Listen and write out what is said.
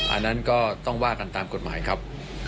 อันนั้นก็ต้องว่ากันตามกฎหมายครับ